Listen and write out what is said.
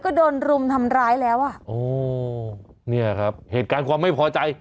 ก็โดนรุมทำร้ายแล้วอ่ะโอ้เนี่ยครับเหตุการณ์ความไม่พอใจ